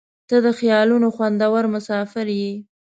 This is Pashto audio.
• ته د خیالونو خوندور مسافر یې.